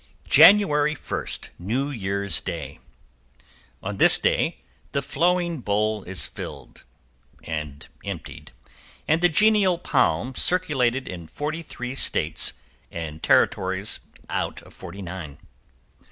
_ =JANUARY 1, New Year's Day.= On this day the Flowing Bowl is filled and emptied and the Genial Palm circulated in forty three States and Territories out of forty nine.